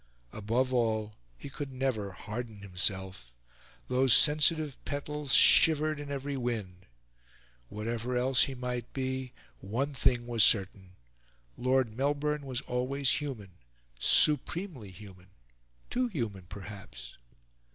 Above all, he could never harden himself; those sensitive petals shivered in every wind. Whatever else he might be, one thing was certain: Lord Melbourne was always human, supremely human too human, perhaps.